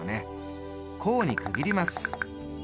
項に区切ります。